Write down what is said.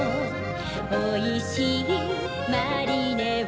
おいしいマリネを